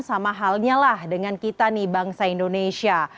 sama halnya lah dengan kita nih bangsa indonesia